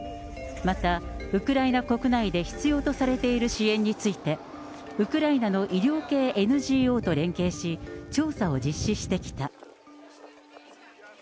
またウクライナ国内で必要とされている支援について、ウクライナの医療系ＮＧＯと連携し、調査を実施してきた。